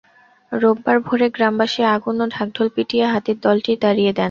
রোববার ভোরে গ্রামবাসী আগুন ও ঢাকডোল পিটিয়ে হাতির দলটি তাড়িয়ে দেন।